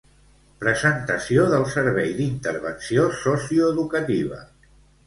Presentació del Servei d'Intervenció Socioeducativa